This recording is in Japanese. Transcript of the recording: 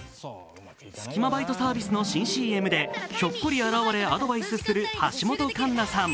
スキマバイトサービスの新ＣＭでひょっこり現れアドバイスする橋本環奈さん。